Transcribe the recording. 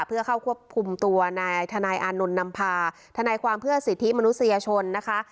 เพื่อเข้าควบคุมตัวนายทนายอานนท์นำพาทนายความเพื่อสิทธิมนุษยชนนะคะ